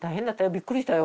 びっくりしたよ